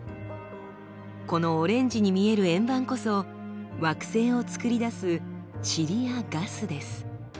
このオレンジに見える円盤こそ惑星をつくり出すチリやガスです。